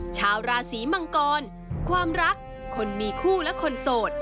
ชาวราศีมังกรความรักคนมีคู่และคนโสด